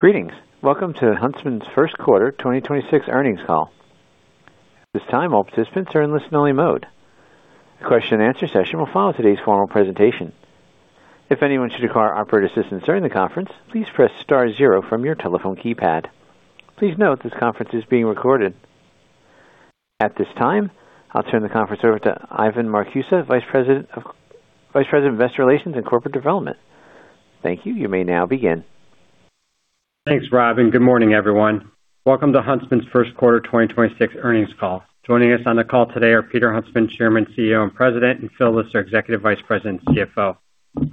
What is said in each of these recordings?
Greetings. Welcome to Huntsman's first quarter 2026 earnings call. This time, all participants are in listen-only mode. The question-and-answer session will follow today's formal presentation. If anyone should require operator assistance during the conference, please press star zero from your telephone keypad. Please note this conference is being recorded. At this time, I'll turn the conference over to Ivan Marcuse, Vice President of Investor Relations and Corporate Development. Thank you. You may now begin. Thanks, Rob. Good morning, everyone. Welcome to Huntsman's first quarter 2026 earnings call. Joining us on the call today are Peter Huntsman, Chairman, CEO and President, and Phil Lister, Executive Vice President and CFO.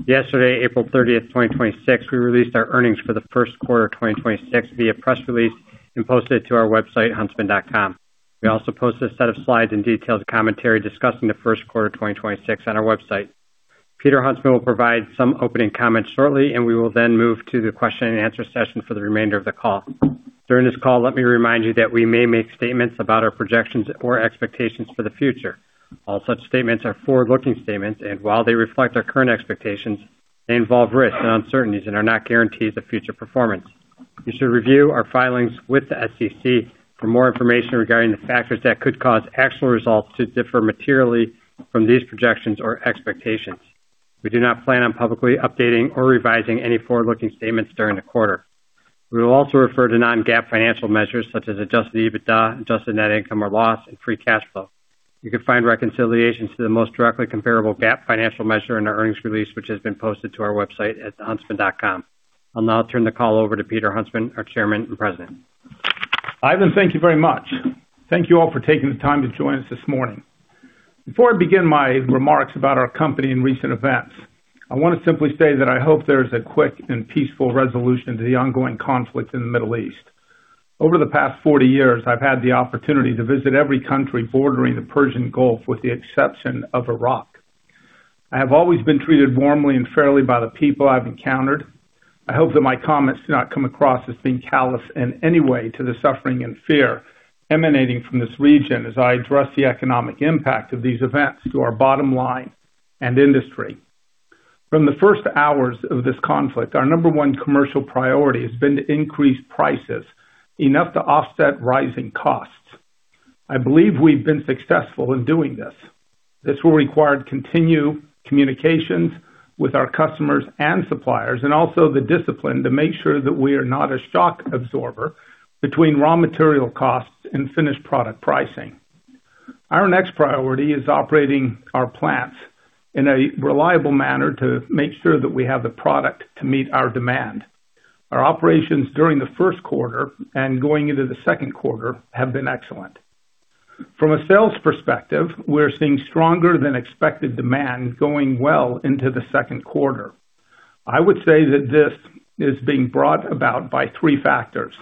Yesterday, April 30th, 2026, we released our earnings for the first quarter of 2026 via press release and posted it to our website, huntsman.com. We also posted a set of slides and detailed commentary discussing the first quarter 2026 on our website. Peter Huntsman will provide some opening comments shortly, and we will then move to the question and answer session for the remainder of the call. During this call, let me remind you that we may make statements about our projections or expectations for the future. All such statements are forward-looking statements, and while they reflect our current expectations, they involve risks and uncertainties and are not guarantees of future performance. You should review our filings with the SEC for more information regarding the factors that could cause actual results to differ materially from these projections or expectations. We do not plan on publicly updating or revising any forward-looking statements during the quarter. We will also refer to non-GAAP financial measures such as adjusted EBITDA, adjusted net income or loss, and free cash flow. You can find reconciliations to the most directly comparable GAAP financial measure in our earnings release, which has been posted to our website at huntsman.com. I'll now turn the call over to Peter Huntsman, our Chairman and President. Ivan, thank you very much. Thank you all for taking the time to join us this morning. Before I begin my remarks about our company and recent events, I wanna simply say that I hope there's a quick and peaceful resolution to the ongoing conflict in the Middle East. Over the past 40 years, I've had the opportunity to visit every country bordering the Persian Gulf, with the exception of Iraq. I have always been treated warmly and fairly by the people I've encountered. I hope that my comments do not come across as being callous in any way to the suffering and fear emanating from this region as I address the economic impact of these events to our bottom line and industry. From the first hours of this conflict, our number one commercial priority has been to increase prices enough to offset rising costs. I believe we've been successful in doing this. This will require continued communications with our customers and suppliers, also the discipline to make sure that we are not a shock absorber between raw material costs and finished product pricing. Our next priority is operating our plants in a reliable manner to make sure that we have the product to meet our demand. Our operations during the first quarter and going into the second quarter have been excellent. From a sales perspective, we're seeing stronger than expected demand going well into the second quarter. I would say that this is being brought about by three factors.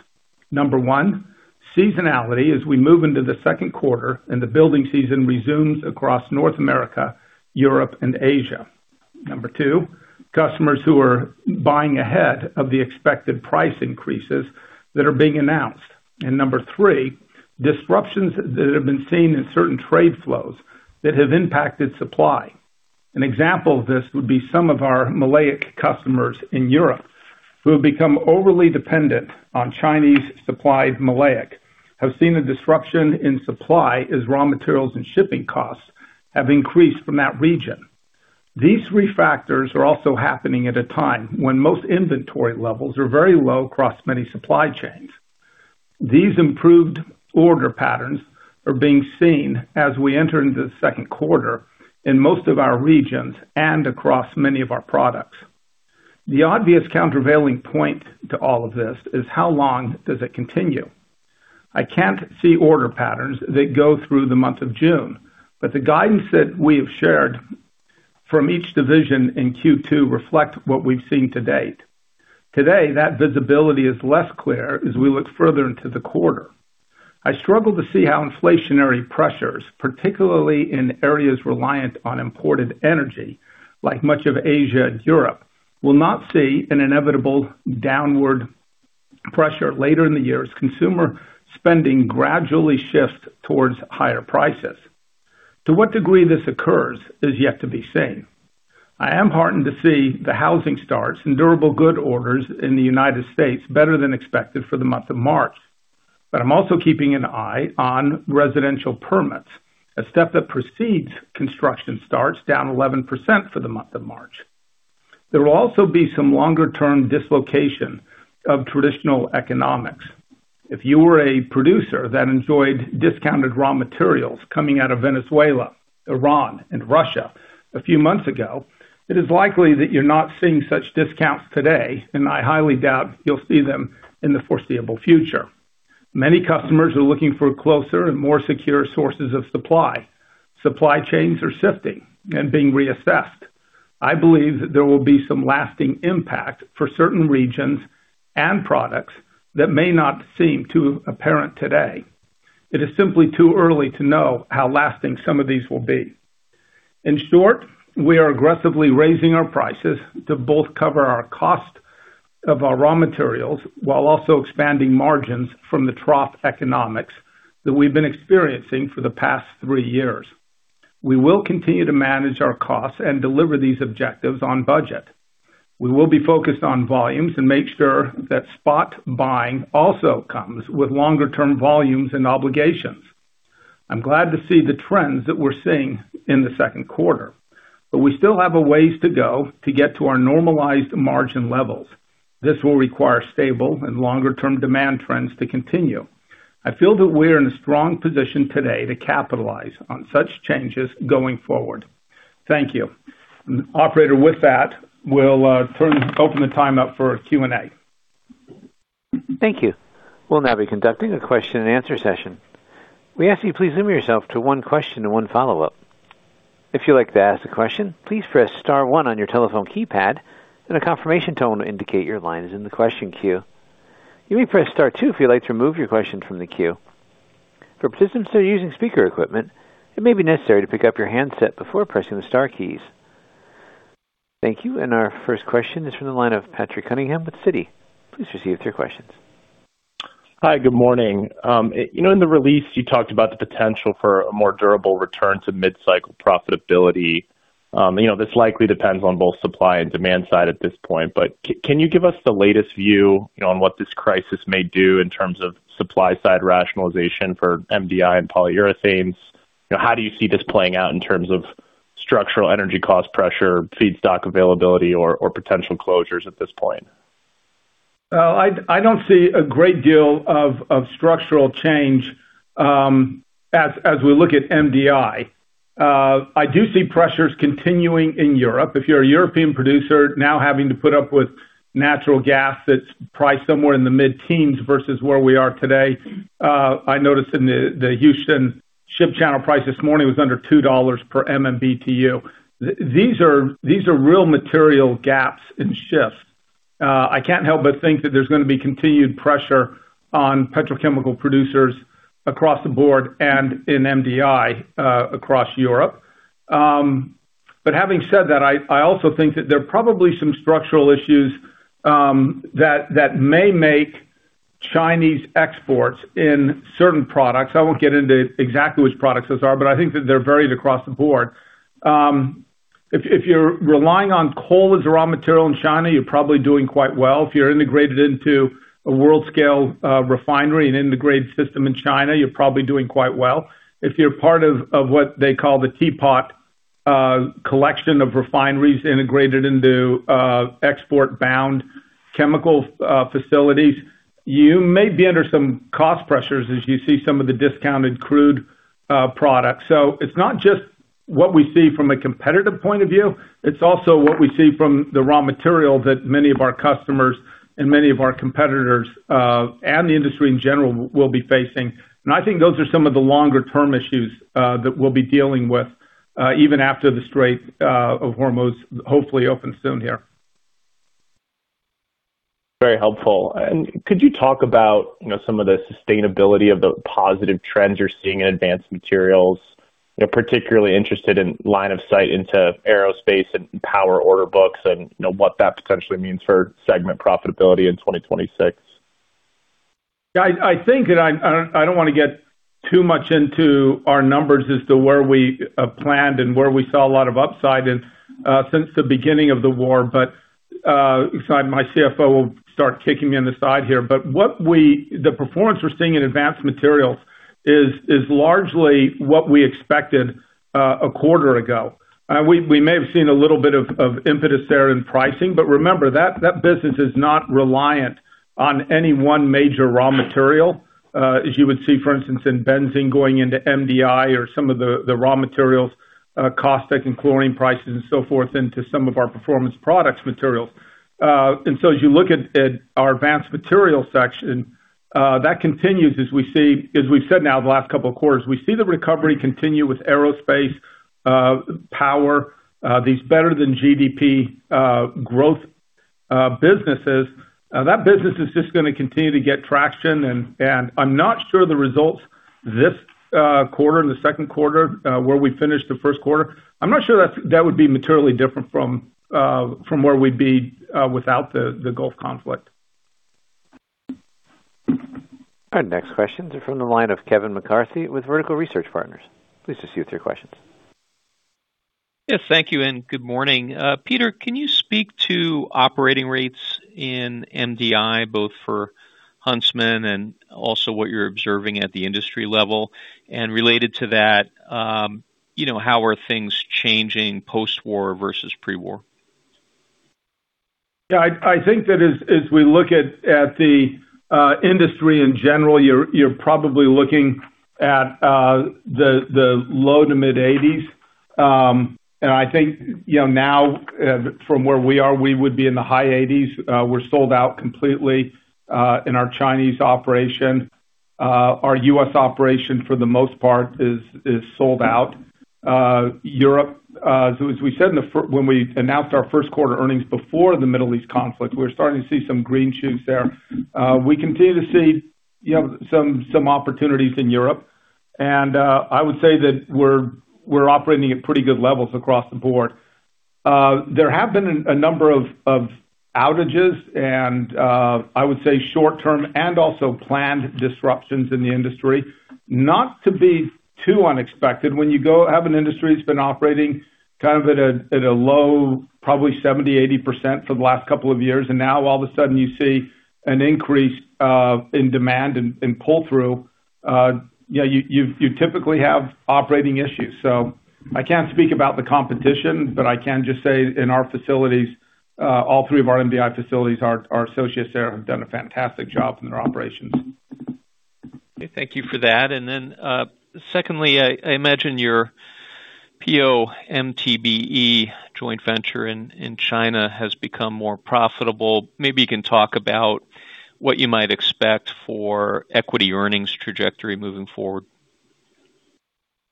Number one, seasonality as we move into the second quarter and the building season resumes across North America, Europe, and Asia. Number two, customers who are buying ahead of the expected price increases that are being announced. Number three, disruptions that have been seen in certain trade flows that have impacted supply. An example of this would be some of our maleic customers in Europe who have become overly dependent on Chinese-supplied maleic, have seen a disruption in supply as raw materials and shipping costs have increased from that region. These three factors are also happening at a time when most inventory levels are very low across many supply chains. These improved order patterns are being seen as we enter into the second quarter in most of our regions and across many of our products. The obvious countervailing point to all of this is how long does it continue? I can't see order patterns that go through the month of June, but the guidance that we have shared from each division in Q2 reflect what we've seen to date. Today, that visibility is less clear as we look further into the quarter. I struggle to see how inflationary pressures, particularly in areas reliant on imported energy, like much of Asia and Europe, will not see an inevitable downward pressure later in the year as consumer spending gradually shifts towards higher prices. To what degree this occurs is yet to be seen. I am heartened to see the housing starts and durable good orders in the United States better than expected for the month of March. I'm also keeping an eye on residential permits, a step that precedes construction starts down 11% for the month of March. There will also be some longer-term dislocation of traditional economics. If you were a producer that enjoyed discounted raw materials coming out of Venezuela, Iran and Russia a few months ago, it is likely that you're not seeing such discounts today, and I highly doubt you'll see them in the foreseeable future. Many customers are looking for closer and more secure sources of supply. Supply chains are shifting and being reassessed. I believe that there will be some lasting impact for certain regions and products that may not seem too apparent today. It is simply too early to know how lasting some of these will be. In short, we are aggressively raising our prices to both cover our cost of our raw materials while also expanding margins from the trough economics that we've been experiencing for the past three years. We will continue to manage our costs and deliver these objectives on budget. We will be focused on volumes and make sure that spot buying also comes with longer-term volumes and obligations. I'm glad to see the trends that we're seeing in the second quarter, but we still have a ways to go to get to our normalized margin levels. This will require stable and longer-term demand trends to continue. I feel that we're in a strong position today to capitalize on such changes going forward. Thank you. Operator, with that, we'll open the time up for Q&A. Thank you. We'll now be conducting a question and answer session. We ask you to please limit yourself to one question and one follow-up. If you'd like to ask a question, please press star one on your telephone keypad, and a confirmation tone will indicate your line is in the question queue. You may press star two if you'd like to remove your question from the queue. For participants that are using speaker equipment, it may be necessary to pick up your handset before pressing the star keys. Thank you. Our first question is from the line of Patrick Cunningham with Citi. Please proceed with your questions. Hi. Good morning. You know, in the release you talked about the potential for a more durable return to mid-cycle profitability. You know, this likely depends on both supply and demand side at this point, but can you give us the latest view, you know, on what this crisis may do in terms of supply side rationalization for MDI and polyurethanes? You know, how do you see this playing out in terms of structural energy cost, pressure, feedstock availability or potential closures at this point? Well, I don't see a great deal of structural change as we look at MDI. I do see pressures continuing in Europe. If you're a European producer now having to put up with natural gas that's priced somewhere in the mid-teens versus where we are today, I noticed in the Houston Ship Channel price this morning was under $2 per MMBtu. These are real material gaps in shifts. I can't help but think that there's gonna be continued pressure on petrochemical producers across the board and in MDI across Europe. Having said that, I also think that there are probably some structural issues that may make Chinese exports in certain products. I won't get into exactly which products those are, I think that they're varied across the board. If, if you're relying on coal as a raw material in China, you're probably doing quite well. If you're integrated into a world scale refinery and integrated system in China, you're probably doing quite well. If you're part of what they call the teapot collection of refineries integrated into export bound chemical facilities, you may be under some cost pressures as you see some of the discounted crude products. It's not just what we see from a competitive point of view, it's also what we see from the raw material that many of our customers and many of our competitors, and the industry in general will be facing. I think those are some of the longer-term issues that we'll be dealing with even after the Strait of Hormuz hopefully opens soon here. Very helpful. Could you talk about, you know, some of the sustainability of the positive trends you're seeing in Advanced Materials? You know, particularly interested in line of sight into aerospace and power order books and, you know, what that potentially means for segment profitability in 2026. Yeah, I think, and I don't wanna get too much into our numbers as to where we planned and where we saw a lot of upside and since the beginning of the war. My CFO will start kicking me in the side here. The performance we're seeing in Advanced Materials is largely what we expected a quarter ago. We may have seen a little bit of impetus there in pricing, but remember that that business is not reliant on any one major raw material, as you would see, for instance, in benzene going into MDI or some of the raw materials, caustic and chlorine prices and so forth, into some of our Performance Products materials. As you look at our Advanced Materials, that continues as we see. As we've said now the last couple of quarters, we see the recovery continue with aerospace, power. These better-than-GDP growth businesses. That business is just gonna continue to get traction and I'm not sure the results this quarter, in the second quarter, where we finished the first quarter. I'm not sure that would be materially different from where we'd be without the Gulf conflict. Our next question is from the line of Kevin McCarthy with Vertical Research Partners. Please proceed with your questions. Yeah, thank you and good morning. Peter, can you speak to operating rates in MDI, both for Huntsman and also what you're observing at the industry level? Related to that, you know, how are things changing post-war versus pre-war? Yeah, I think that as we look at the industry in general, you're probably looking at the low to mid-80s. I think, you know, now from where we are, we would be in the high 80s. We're sold out completely in our Chinese operation. Our U.S. operation for the most part is sold out. Europe, as we said in the when we announced our first quarter earnings before the Middle East conflict, we're starting to see some green shoots there. We continue to see, you know, some opportunities in Europe. I would say that we're operating at pretty good levels across the board. There have been a number of outages and I would say short-term and also planned disruptions in the industry. Not to be too unexpected. When you go have an industry that's been operating kind of at a low, probably 70%, 80% for the last couple of years, and now all of a sudden you see an increase in demand and pull-through, you know, you typically have operating issues. I can't speak about the competition, but I can just say in our facilities, all three of our MDI facilities, our associates there have done a fantastic job in their operations. Okay. Thank you for that. Then, secondly, I imagine your PO/MTBE joint venture in China has become more profitable. Maybe you can talk about what you might expect for equity earnings trajectory moving forward.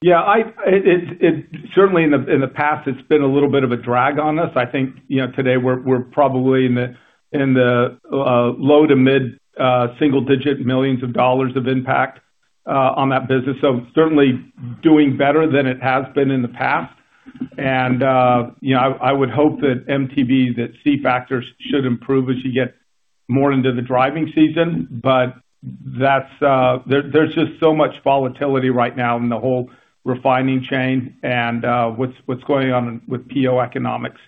Yeah, it certainly in the past, it's been a little bit of a drag on us. I think, you know, today we're probably in the low to mid-single-digit millions of dollars of impact on that business. Certainly doing better than it has been in the past. You know, I would hope that MTBE, that C factors should improve as you get more into the driving season. That's there's just so much volatility right now in the whole refining chain and what's going on with PO economics.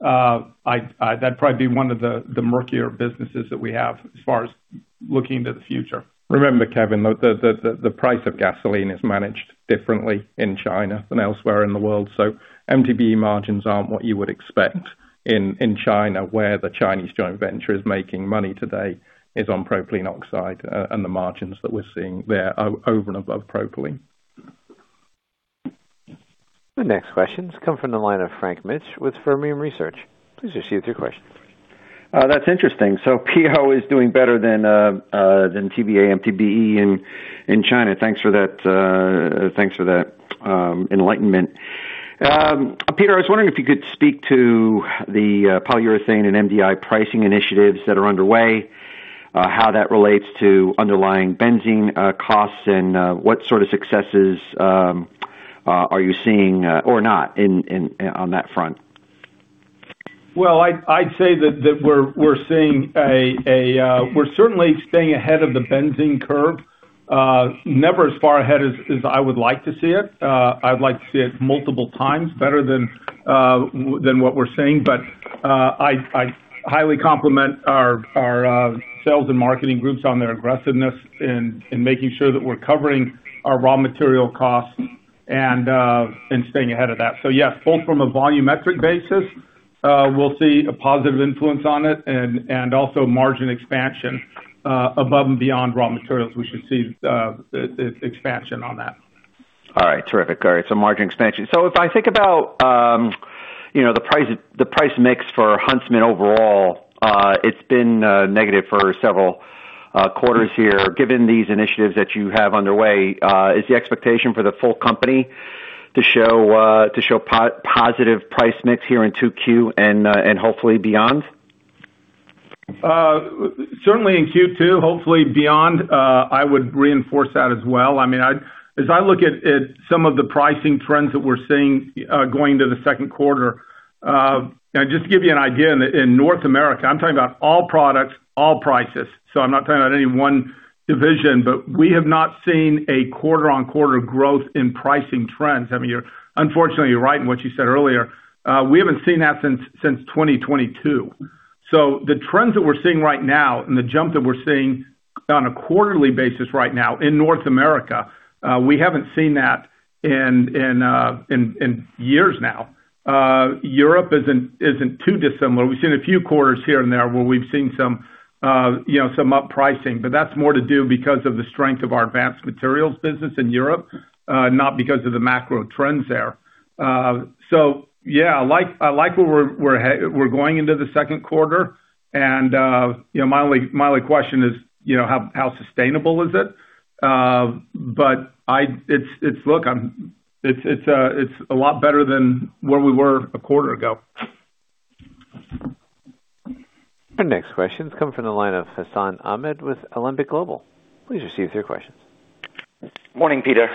That'd probably be one of the murkier businesses that we have as far as looking to the future. Remember, Kevin, the price of gasoline is managed differently in China than elsewhere in the world. MTBE margins aren't what you would expect in China. Where the Chinese joint venture is making money today is on propylene oxide, and the margins that we're seeing there over and above propylene. The next questions come from the line of Frank Mitsch with Fermium Research. Please receive your question. That's interesting. PO is doing better than TBA and MTBE in China. Thanks for that, thanks for that enlightenment. Peter, I was wondering if you could speak to the polyurethanes and MDI pricing initiatives that are underway, how that relates to underlying benzene costs, and what sort of successes are you seeing or not on that front? Well, I'd say that we're seeing, we're certainly staying ahead of the benzene curve. Never as far ahead as I would like to see it. I'd like to see it multiple times better than what we're seeing. I highly compliment our sales and marketing groups on their aggressiveness in making sure that we're covering our raw material costs and staying ahead of that. Yes, both from a volumetric basis, we'll see a positive influence on it and also margin expansion above and beyond raw materials. We should see expansion on that. All right. Terrific. All right, margin expansion. If I think about, you know, the price mix for Huntsman overall, it's been negative for several quarters here. Given these initiatives that you have underway, is the expectation for the full company to show positive price mix here in 2Q and hopefully beyond? Certainly in Q2, hopefully beyond. I would reinforce that as well. As I look at some of the pricing trends that we're seeing, going to the second quarter, and just to give you an idea, in North America, I'm talking about all products, all prices, so I'm not talking about any one division, but we have not seen a quarter-on-quarter growth in pricing trends. I mean, you're unfortunately you're right in what you said earlier. We haven't seen that since 2022. The trends that we're seeing right now and the jump that we're seeing on a quarterly basis right now in North America, we haven't seen that in years now. Europe isn't too dissimilar. We've seen a few quarters here and there where we've seen some, you know, some up pricing, but that's more to do because of the strength of our Advanced Materials business in Europe, not because of the macro trends there. Yeah, I like, I like where we're going into the second quarter. You know, my only, my only question is, you know, how sustainable is it? Look, it's a lot better than where we were a quarter ago. Our next question's come from the line of Hassan Ahmed with Alembic Global. Please receive your questions. Morning, Peter.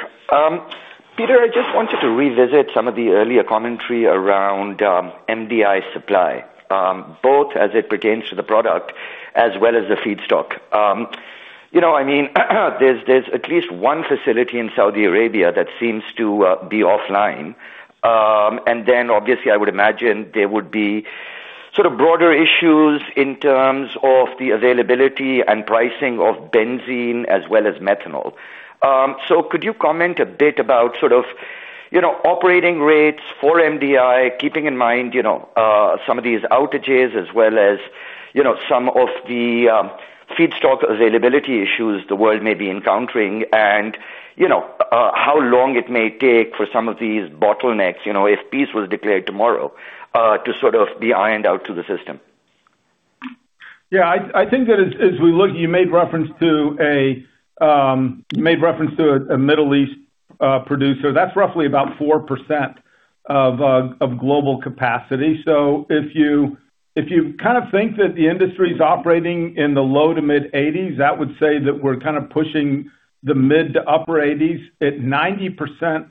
Peter, I just wanted to revisit some of the earlier commentary around MDI supply, both as it pertains to the product as well as the feedstock. You know, I mean, there's at least one facility in Saudi Arabia that seems to be offline. Obviously I would imagine there would be sort of broader issues in terms of the availability and pricing of benzene as well as methanol. Could you comment a bit about sort of, you know, operating rates for MDI, keeping in mind, you know, some of these outages as well as, you know, some of the feedstock availability issues the world may be encountering and, you know, how long it may take for some of these bottlenecks, you know, if peace was declared tomorrow, to sort of be ironed out to the system? I think that as we look, you made reference to a, you made reference to a Middle East producer. That's roughly about 4% of global capacity. If you kind of think that the industry's operating in the low to mid-80s, that would say that we're kind of pushing the mid- to upper 80s at 90%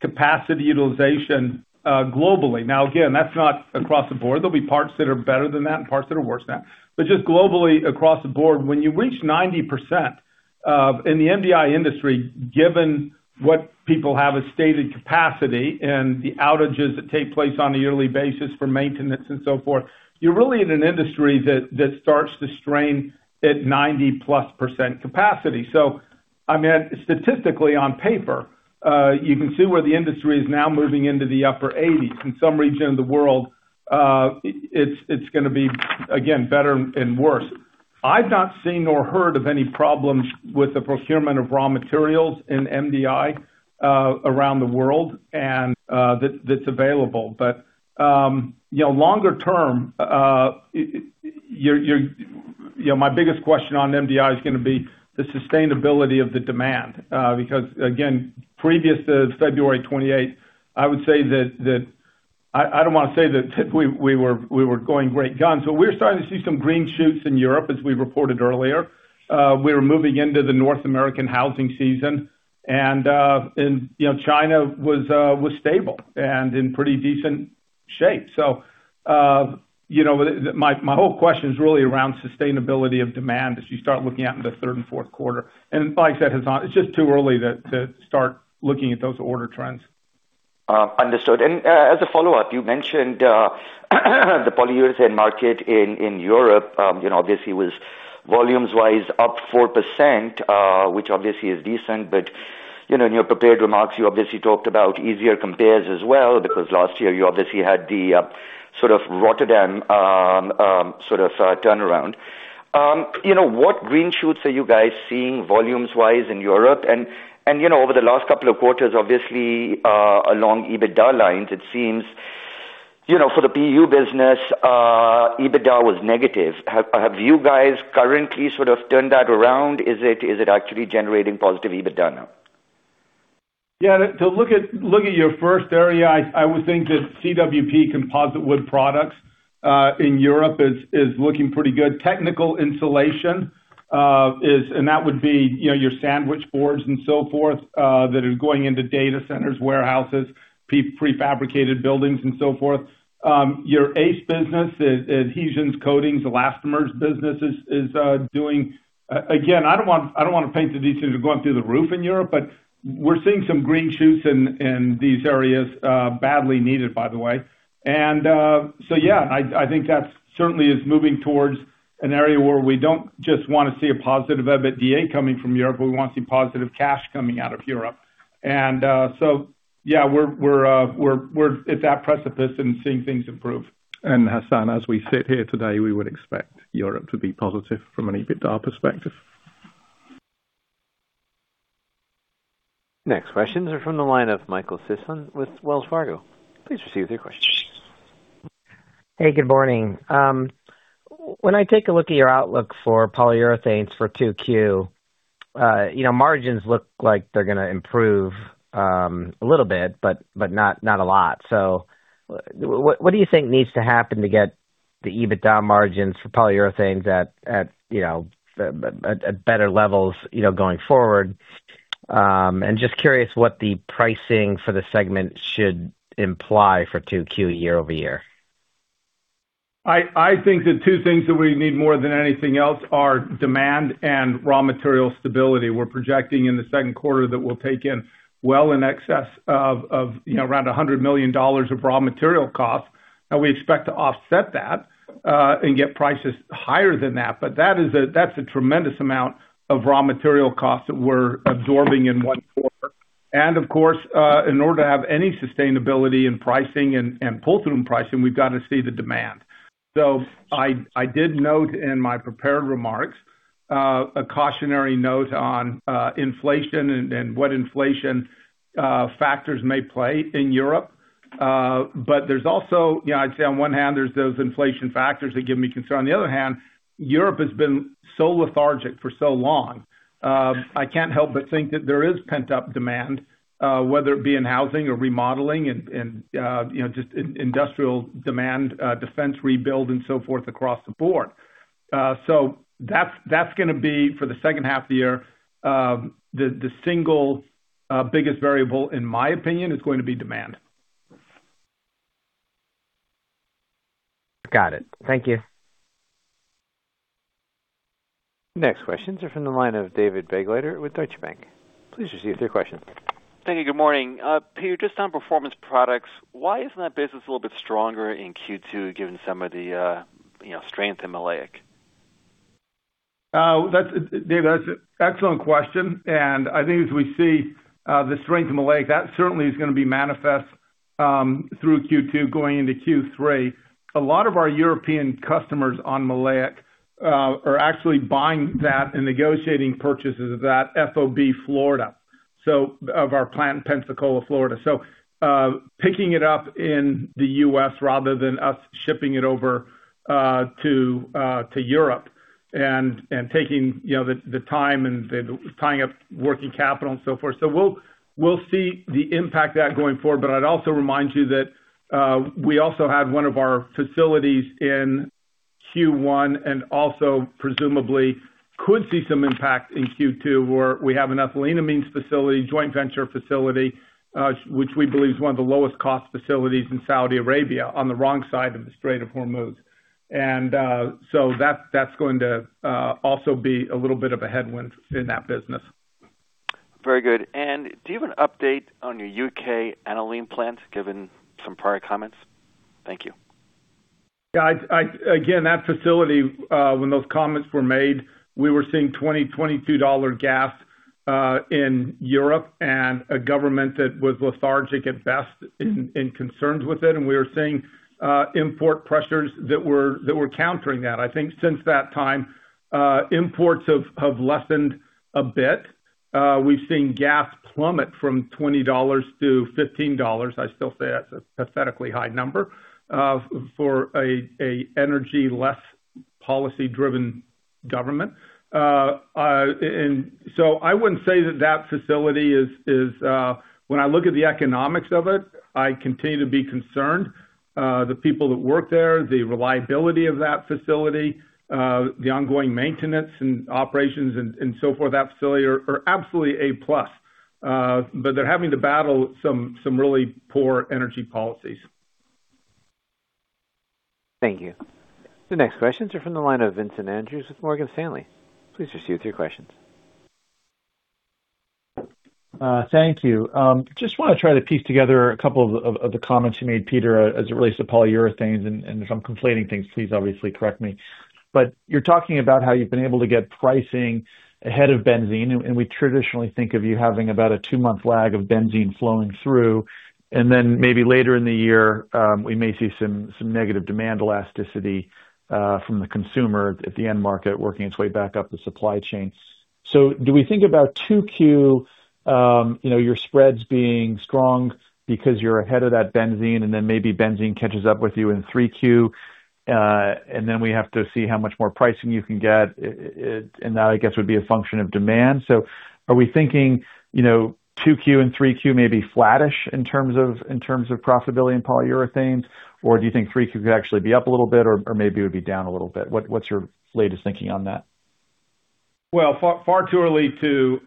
capacity utilization globally. Again, that's not across the board. There'll be parts that are better than that and parts that are worse than that. Just globally across the board, when you reach 90% in the MDI industry, given what people have as stated capacity and the outages that take place on a yearly basis for maintenance and so forth, you're really in an industry that starts to strain at 90%+ capacity. I mean, statistically on paper, you can see where the industry is now moving into the upper 80s. In some regions of the world, it's gonna be, again, better and worse. I've not seen nor heard of any problems with the procurement of raw materials in MDI around the world and that's available. You know, longer term, you know, my biggest question on MDI is gonna be the sustainability of the demand. Because again, previous to February 28, I would say that. I don't wanna say that we were going great, but we're starting to see some green shoots in Europe, as we reported earlier. We were moving into the North American housing season and, you know, China was stable and in pretty decent shape. You know, my whole question is really around sustainability of demand as you start looking out into the third and fourth quarter. And like I said, Hassan, it's just too early to start looking at those order trends. Understood. As a follow-up, you mentioned the polyols market in Europe, you know, obviously was volumes-wise up 4%, which obviously is decent. You know, in your prepared remarks, you obviously talked about easier compares as well, because last year you obviously had the sort of Rotterdam turnaround. You know, what green shoots are you guys seeing volumes-wise in Europe? You know, over the last couple of quarters, obviously, along EBITDA lines, it seems, you know, for the PU business, EBITDA was negative. Have you guys currently sort of turned that around? Is it actually generating positive EBITDA now? Yeah. To look at your first area, I would think that CWP composite wood products in Europe is looking pretty good. Technical insulation is. That would be, you know, your sandwich boards and so forth, that are going into data centers, warehouses, prefabricated buildings and so forth. Your ACE business is adhesions, coatings, elastomers business is doing. Again, I don't wanna paint the details of going through the roof in Europe, but we're seeing some green shoots in these areas, badly needed, by the way. Yeah, I think that certainly is moving towards an area where we don't just wanna see a positive EBITDA coming from Europe, but we want to see positive cash coming out of Europe. Yeah, we're at that precipice and seeing things improve. Hassan, as we sit here today, we would expect Europe to be positive from an EBITDA perspective. Next questions are from the line of Michael Sison with Wells Fargo. Please proceed with your question. Hey, good morning. When I take a look at your outlook for Polyurethanes for 2Q, you know, margins look like they're gonna improve, a little bit, but not a lot. What do you think needs to happen to get the EBITDA margins for Polyurethanes at, you know, at better levels, you know, going forward? Just curious what the pricing for the segment should imply for 2Q year-over-year. I think the two things that we need more than anything else are demand and raw material stability. We're projecting in the second quarter that we'll take in well in excess of, you know, around $100 million of raw material costs, and we expect to offset that and get prices higher than that. That's a tremendous amount of raw material costs that we're absorbing in one quarter. Of course, in order to have any sustainability in pricing and pull-through in pricing, we've got to see the demand. I did note in my prepared remarks, a cautionary note on inflation and what inflation factors may play in Europe. There's also, you know, I'd say on one hand there's those inflation factors that give me concern. Europe has been so lethargic for so long, I can't help but think that there is pent-up demand, whether it be in housing or remodeling and, you know, just in industrial demand, defense rebuild and so forth across the board. That's gonna be for the second half of the year, the single biggest variable in my opinion is going to be demand. Got it. Thank you. Next questions are from the line of David Begleiter with Deutsche Bank. Please receive your question. Thank you. Good morning. Peter, just on Performance Products, why isn't that business a little bit stronger in Q2, given some of the, you know, strength in maleic? David, that's an excellent question. I think as we see the strength in maleic, that certainly is gonna be manifest through Q2 going into Q3. A lot of our European customers on maleic are actually buying that and negotiating purchases of that FOB Florida, so of our plant in Pensacola, Florida. Picking it up in the U.S. rather than us shipping it over to Europe and taking, you know, the time and the tying up working capital and so forth. We'll see the impact of that going forward. I'd also remind you that we also had one of our facilities in Q1 and also presumably could see some impact in Q2, where we have an ethyleneamines facility, joint venture facility, which we believe is one of the lowest cost facilities in Saudi Arabia on the wrong side of the Strait of Hormuz. That's going to also be a little bit of a headwind in that business. Very good. Do you have an update on your U.K. aniline plant, given some prior comments? Thank you. I again, that facility, when those comments were made, we were seeing $20-$22 gas in Europe and a government that was lethargic at best in concerns with it. We were seeing import pressures that were countering that. I think since that time, imports have lessened a bit. We've seen gas plummet from $20 to $15. I still say that's a pathetically high number for an energy less policy-driven government. I wouldn't say that that facility is. When I look at the economics of it, I continue to be concerned. The people that work there, the reliability of that facility, the ongoing maintenance and operations and so forth, that facility are absolutely A+. They're having to battle some really poor energy policies. Thank you. The next questions are from the line of Vincent Andrews with Morgan Stanley. Please proceed with your questions. Thank you. Just wanna try to piece together a couple of the comments you made, Peter, as it relates to Polyurethanes, and if I'm conflating things, please obviously correct me. You're talking about how you've been able to get pricing ahead of benzene, and we traditionally think of you having about a two-month lag of benzene flowing through. Then maybe later in the year, we may see negative demand elasticity from the consumer at the end market working its way back up the supply chain. Do we think about 2Q, you know, your spreads being strong because you're ahead of that benzene, and then maybe benzene catches up with you in 3Q, and then we have to see how much more pricing you can get, and that, I guess, would be a function of demand. Are we thinking, you know, 2Q and 3Q may be flattish in terms of profitability in Polyurethanes? Or do you think 3Q could actually be up a little bit or maybe it would be down a little bit? What's your latest thinking on that? Well, far, far too early to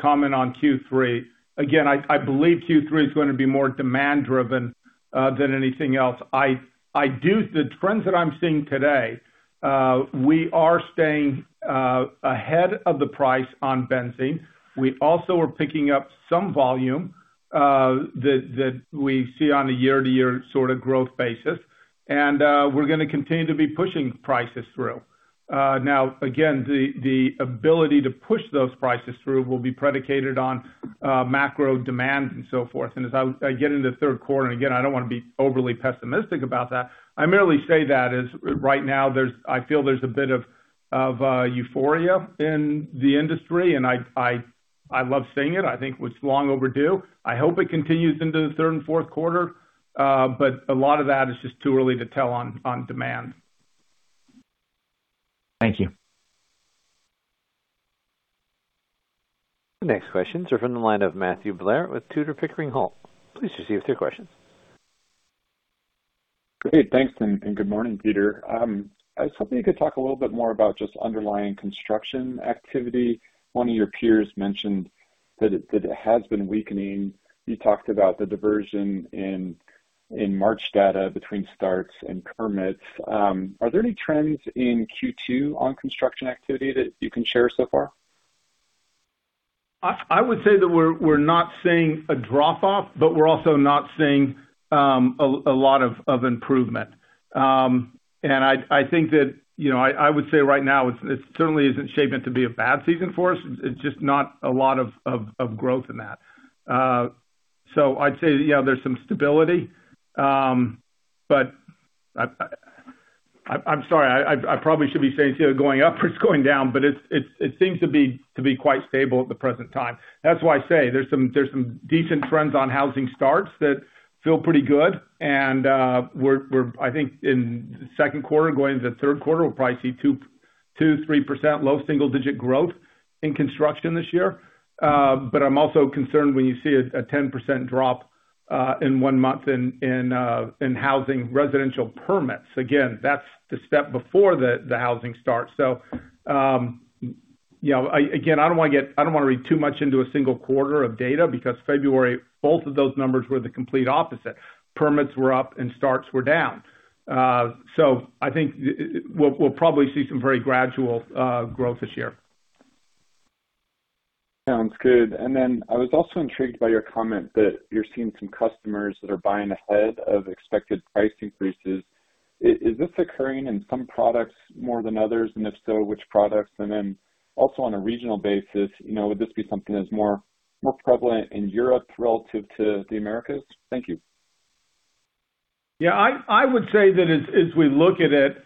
comment on Q3. Again, I believe Q3 is gonna be more demand-driven than anything else. I do. The trends that I'm seeing today, we are staying ahead of the price on benzene. We also are picking up some volume that we see on a year-to-year sorta growth basis. We're gonna continue to be pushing prices through. Now again, the ability to push those prices through will be predicated on macro demand and so forth. As I get into the third quarter, and again, I don't wanna be overly pessimistic about that. I merely say that as right now there's I feel there's a bit of euphoria in the industry, and I love seeing it. I think it was long overdue. I hope it continues into the third and fourth quarter. A lot of that is just too early to tell on demand. Thank you. The next questions are from the line of Matthew Blair with Tudor, Pickering, Holt. Please proceed with your questions. Great. Thanks, and good morning, Peter. I was hoping you could talk a little bit more about just underlying construction activity. One of your peers mentioned that it has been weakening. You talked about the diversion in March data between starts and permits. Are there any trends in Q2 on construction activity that you can share so far? I would say that we're not seeing a drop-off, but we're also not seeing a lot of improvement. I think that, you know, I would say right now it certainly isn't shaping up to be a bad season for us. It's just not a lot of growth in that. I'd say, yeah, there's some stability. I'm sorry, I probably should be saying it's either going up or it's going down, but it seems to be quite stable at the present time. That's why I say there's some decent trends on housing starts that feel pretty good and I think in second quarter, going into third quarter, we'll probably see 2%-3% low single-digit growth in construction this year. I'm also concerned when you see a 10% drop in one month in housing residential permits. Again, that's the step before the housing starts. You know, again, I don't wanna read too much into a single quarter of data because February, both of those numbers were the complete opposite. Permits were up and starts were down. I think we'll probably see some very gradual growth this year. Sounds good. I was also intrigued by your comment that you're seeing some customers that are buying ahead of expected price increases. Is this occurring in some products more than others? If so, which products? Also on a regional basis, you know, would this be something that's more, more prevalent in Europe relative to the Americas? Thank you. Yeah, I would say that as we look at it,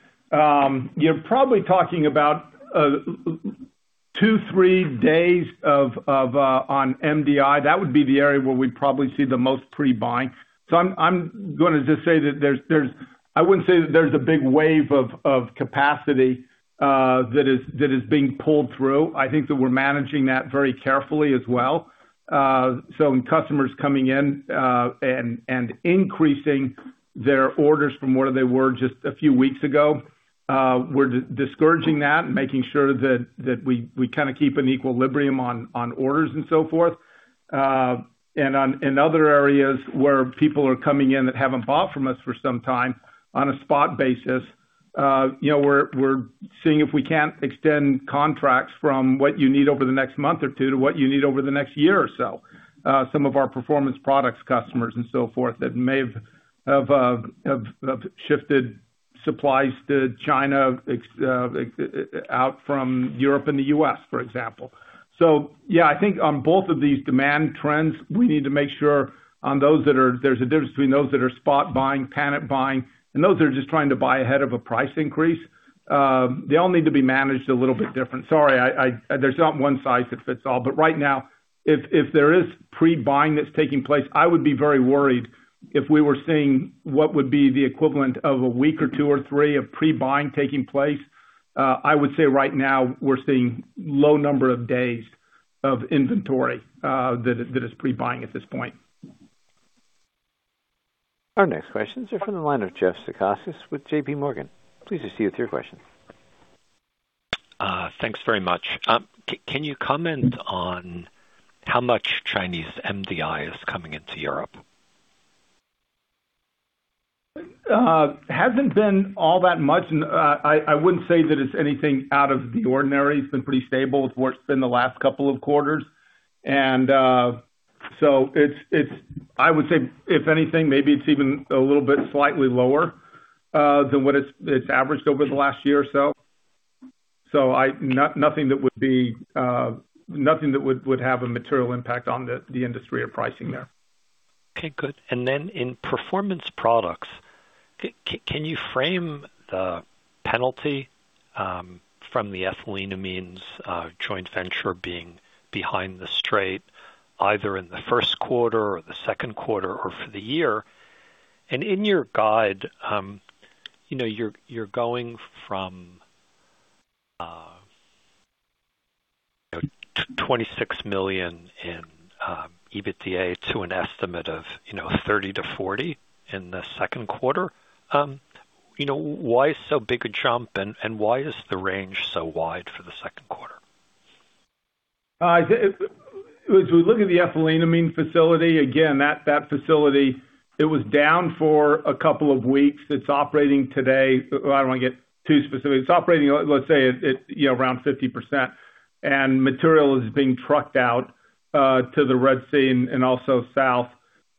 you're probably talking about two, three days of on MDI, that would be the area where we probably see the most pre-buying. I'm gonna just say that there's I wouldn't say that there's a big wave of capacity that is being pulled through. I think that we're managing that very carefully as well. When customers coming in and increasing their orders from where they were just a few weeks ago, we're discouraging that and making sure that we kinda keep an equilibrium on orders and so forth. In other areas where people are coming in that haven't bought from us for some time on a spot basis, you know, we're seeing if we can't extend contracts from what you need over the next month or two to what you need over the next year or so. Some of our Performance Products customers and so forth that may have shifted supplies to China out from Europe and the U.S., for example. Yeah, I think on both of these demand trends, we need to make sure there's a difference between those that are spot buying, panic buying, and those that are just trying to buy ahead of a price increase. They all need to be managed a little bit different. Sorry, there's not one size that fits all. Right now, if there is pre-buying that's taking place, I would be very worried if we were seeing what would be the equivalent of a week or two or three of pre-buying taking place. I would say right now we're seeing low number of days of inventory, that is pre-buying at this point. Our next questions are from the line of Jeff Zekauskas with JPMorgan. Please proceed with your question. Thanks very much. Can you comment on how much Chinese MDI is coming into Europe? Hasn't been all that much. I wouldn't say that it's anything out of the ordinary. It's been pretty stable. It's worked in the last couple of quarters. I would say, if anything, maybe it's even a little bit slightly lower than what it's averaged over the last year or so. Nothing that would be nothing that would have a material impact on the industry or pricing there. Okay, good. Then in Performance Products, can you frame the penalty from the ethyleneamines joint venture being behind the straight, either in the first quarter or the second quarter or for the year? In your guide, you know, you're going from, you know, $26 million in EBITDA to an estimate of, you know, $30 million-$40 million in the second quarter. You know, why so big a jump, and why is the range so wide for the second quarter? The, as we look at the ethyleneamines facility, again, that facility, it was down for two weeks. It's operating today. I don't want to get too specific. It's operating, let's say at, you know, around 50%, and material is being trucked out to the Red Sea and also south.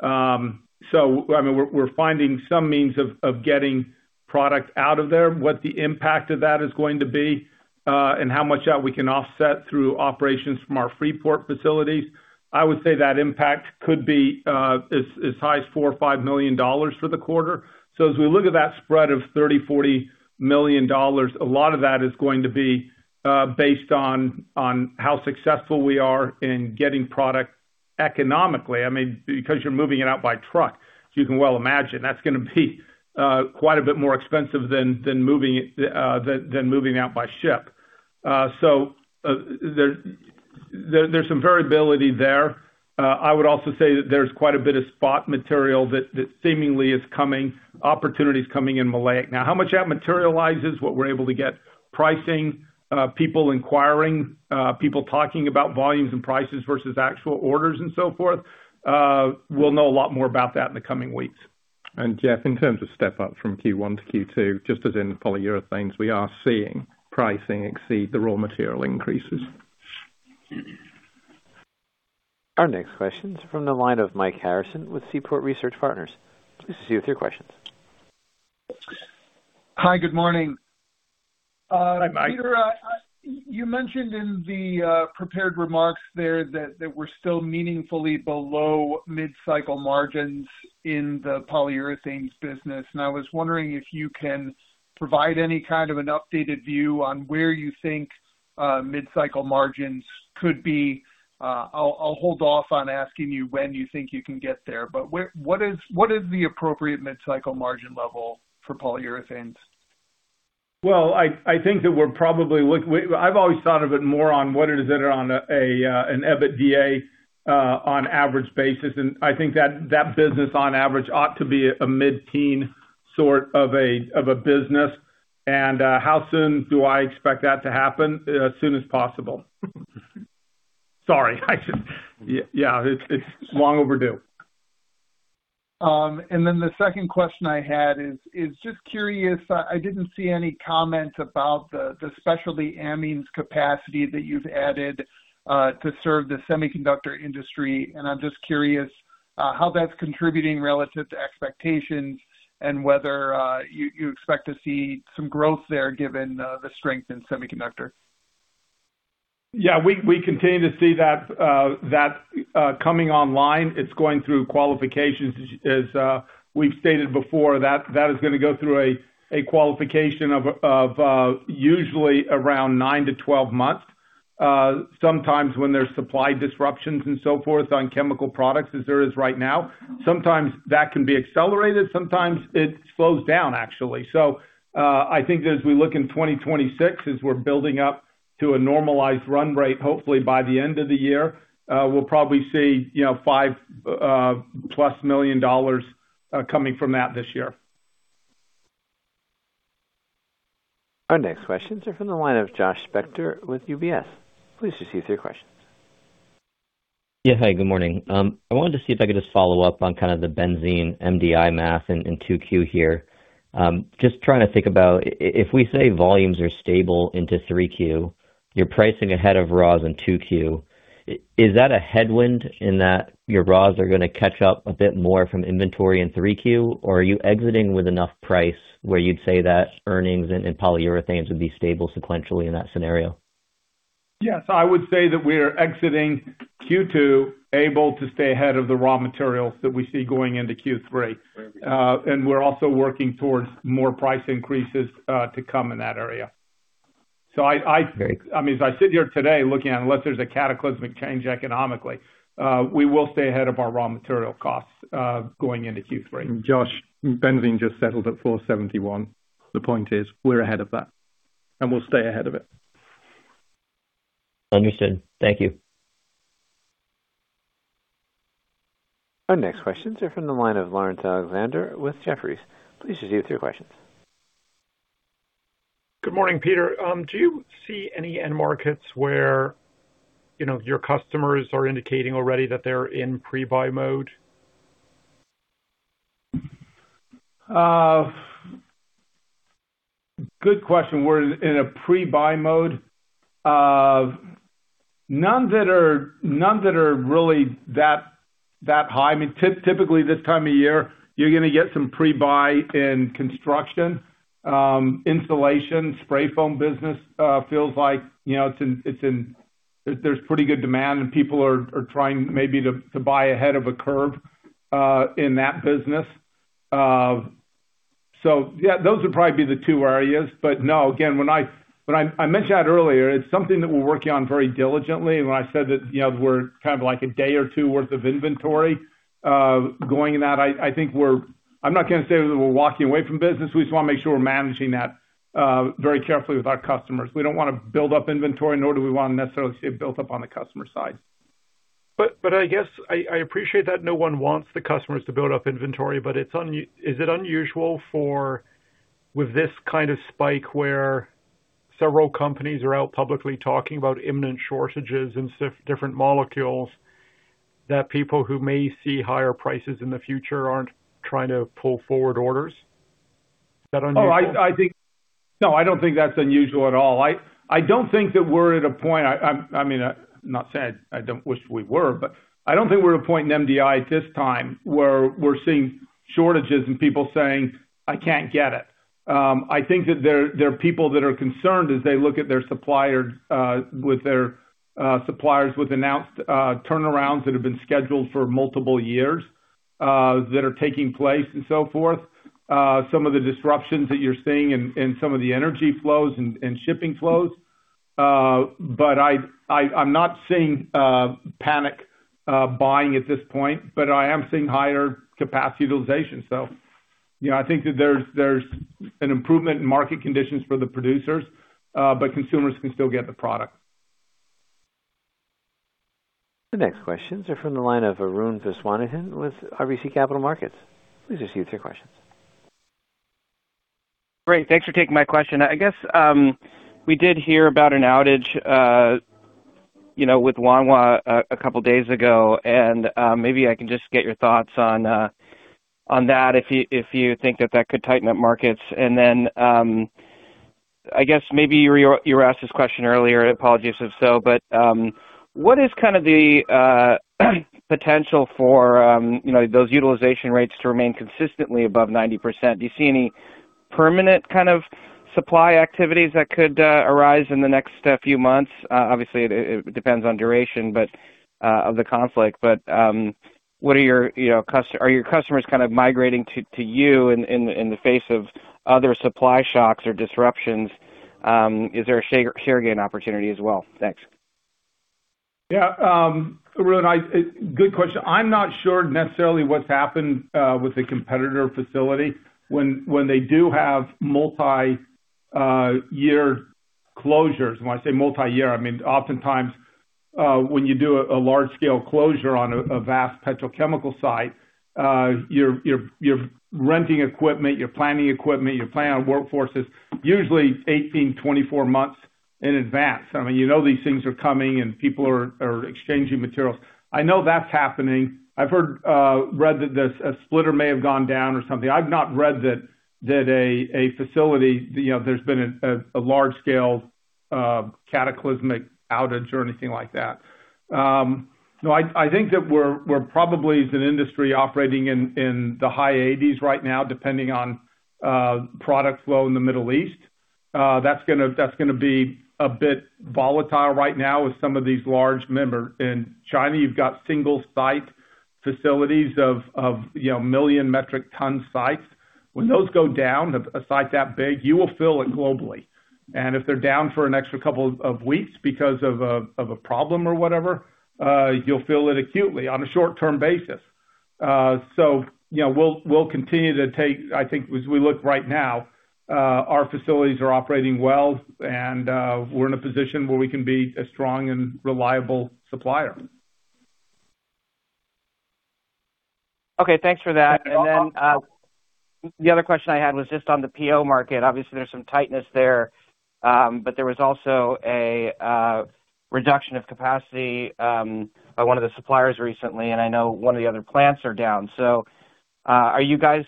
I mean, we're finding some means of getting product out of there. What the impact of that is going to be and how much that we can offset through operations from our Freeport facilities, I would say that impact could be as high as $4 million-$5 million for the quarter. As we look at that spread of $30 million-$40 million, a lot of that is going to be based on how successful we are in getting product economically. I mean, because you're moving it out by truck, as you can well imagine, that's gonna be quite a bit more expensive than moving it than moving out by ship. There's some variability there. I would also say that there's quite a bit of spot material that seemingly is coming, opportunities coming in maleic. Now, how much that materializes, what we're able to get pricing, people inquiring, people talking about volumes and prices versus actual orders and so forth, we'll know a lot more about that in the coming weeks. Jeff, in terms of step-up from Q1 to Q2, just as in Polyurethanes, we are seeing pricing exceed the raw material increases. Our next question is from the line of Mike Harrison with Seaport Research Partners. Please proceed with your questions. Hi, good morning. Hi, Mike. Peter, you mentioned in the prepared remarks there that we're still meaningfully below mid-cycle margins in the Polyurethanes business. I was wondering if you can provide any kind of an updated view on where you think mid-cycle margins could be. I'll hold off on asking you when you think you can get there, but what is the appropriate mid-cycle margin level for Polyurethanes? Well, I think that we're probably I've always thought of it more on what it is that are on an EBITDA on average basis. I think that business, on average, ought to be a mid-teen sort of a business. How soon do I expect that to happen? As soon as possible. Sorry, I should. Yeah, it's long overdue. The second question I had is just curious. I didn't see any comments about the specialty amines capacity that you've added to serve the semiconductor industry. I'm just curious how that's contributing relative to expectations and whether you expect to see some growth there given the strength in semiconductor. Yeah, we continue to see that coming online. It's going through qualifications. As we've stated before, that is gonna go through a qualification of usually around nine to 12 months. Sometimes when there's supply disruptions and so forth on chemical products as there is right now, sometimes that can be accelerated, sometimes it slows down, actually. I think as we look in 2026, as we're building up to a normalized run rate, hopefully by the end of the year, we'll probably see, you know, $5+ million coming from that this year. Our next questions are from the line of Josh Spector with UBS. Please proceed with your questions. Hi, good morning. I wanted to see if I could just follow up on kind of the benzene MDI math in 2Q here. Just trying to think about if we say volumes are stable into 3Q, you're pricing ahead of raws in 2Q. Is that a headwind in that your raws are going to catch up a bit more from inventory in 3Q? Or are you exiting with enough price where you'd say that earnings and Polyurethanes would be stable sequentially in that scenario? Yes, I would say that we are exiting Q2 able to stay ahead of the raw materials that we see going into Q3. We're also working towards more price increases to come in that area. Great. I mean, as I sit here today looking, unless there's a cataclysmic change economically, we will stay ahead of our raw material costs going into Q3. Josh, benzene just settled at $4.71. The point is, we're ahead of that, and we'll stay ahead of it. Understood. Thank you. Our next questions are from the line of Laurence Alexander with Jefferies. Please proceed with your questions. Good morning, Peter. Do you see any end markets where, you know, your customers are indicating already that they're in pre-buy mode? Good question. We're in a pre-buy mode. None that are really that high. I mean, typically this time of year, you're going to get some pre-buy in construction. Installation, spray foam business, feels like, you know, it's in. There's pretty good demand and people are trying maybe to buy ahead of a curve in that business. Yeah, those would probably be the two areas. No, again, when I mentioned that earlier, it's something that we're working on very diligently when I said that, you know, we're kind of like a day or two worth of inventory going in that. I think we're—I'm not going to say that we're walking away from business. We just want to make sure we're managing that very carefully with our customers. We don't wanna build up inventory, nor do we want to necessarily see it built up on the customer side. I guess I appreciate that no one wants the customers to build up inventory, but is it unusual for with this kind of spike where several companies are out publicly talking about imminent shortages in different molecules that people who may see higher prices in the future aren't trying to pull forward orders? Is that unusual? No, I don't think that's unusual at all. I don't think that we're at a point. I mean, I'm not saying I don't wish we were, but I don't think we're at a point in MDI at this time where we're seeing shortages and people saying, "I can't get it." I think that there are people that are concerned as they look at their suppliers, with their suppliers with announced turnarounds that have been scheduled for multiple years, that are taking place and so forth. Some of the disruptions that you're seeing in some of the energy flows and shipping flows. I'm not seeing panic buying at this point, but I am seeing higher capacity utilization. You know, I think that there's an improvement in market conditions for the producers, but consumers can still get the product. The next questions are from the line of Arun Viswanathan with RBC Capital Markets. Please proceed with your questions. Great. Thanks for taking my question. I guess, we did hear about an outage, with Wanhua a couple days ago, and maybe I can just get your thoughts on that if you, if you think that that could tighten up markets. I guess maybe you were asked this question earlier, apologies if so, but, what is kind of the potential for those utilization rates to remain consistently above 90%? Do you see any permanent kind of supply activities that could arise in the next few months? Obviously it depends on duration, but of the conflict. Are your customers kind of migrating to you in the face of other supply shocks or disruptions? Is there a share gain opportunity as well? Thanks. Yeah, Arun. Good question. I'm not sure necessarily what's happened with the competitor facility when they do have multi-year closures. When I say multi-year, I mean, oftentimes, when you do a large-scale closure on a vast petrochemical site, you're renting equipment, you're planning equipment, you're planning workforces, usually 18, 24 months in advance. I mean, you know these things are coming and people are exchanging materials. I know that's happening. I've heard, read that a splitter may have gone down or something. I've not read that a facility, you know, there's been a large-scale cataclysmic outage or anything like that. No, I think that we're probably as an industry operating in the high 80s right now, depending on product flow in the Middle East. That's gonna be a bit volatile right now with some of these large in China, you've got single-site facilities of, you know, 1 million metric ton sites. When those go down, a site that big, you will feel it globally. If they're down for an extra two weeks because of a problem or whatever, you'll feel it acutely on a short-term basis. You know, we'll continue—I think as we look right now, our facilities are operating well, and we're in a position where we can be a strong and reliable supplier. Okay. Thanks for that. The other question I had was just on the PO market. Obviously, there's some tightness there. There was also a reduction of capacity by one of the suppliers recently, and I know one of the other plants are down. Are you guys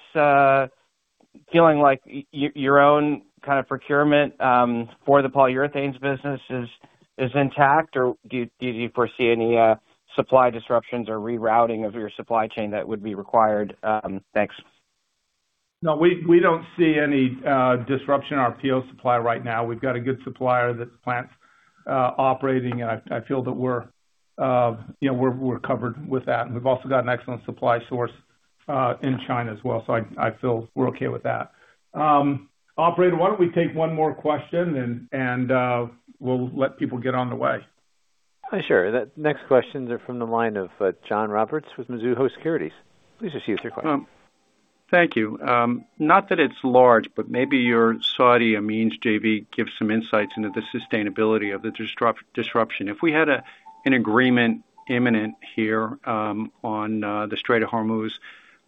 feeling like your own kind of procurement for the Polyurethanes business is intact, or do you foresee any supply disruptions or rerouting of your supply chain that would be required? Thanks. No, we don't see any disruption in our PO supply right now. We've got a good supplier. That plant operating, and I feel that we're, you know, we're covered with that. We've also got an excellent supply source in China as well. I feel we're okay with that. Operator, why don't we take one more question and we'll let people get on the way. Sure. The next questions are from the line of John Roberts with Mizuho Securities. Please proceed with your question. Thank you. Not that it's large, but maybe your Saudi amines JV gives some insights into the disruption. If we had an agreement imminent here on the Strait of Hormuz,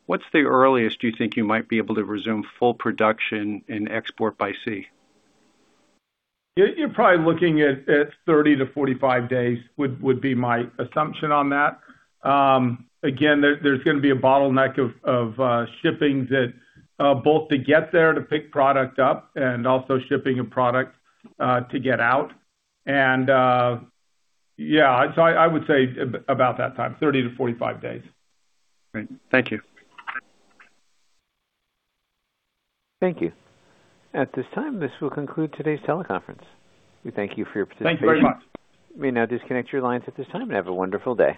what's the earliest you think you might be able to resume full production and export by sea? You're probably looking at 30-45 days, would be my assumption on that. Again, there's gonna be a bottleneck of shipping that both to get there to pick product up and also shipping a product to get out. Yeah, I would say about that time, 30-45 days. Great. Thank you. Thank you. At this time, this will conclude today's teleconference. We thank you for your participation. Thank you very much. You may now disconnect your lines at this time. Have a wonderful day.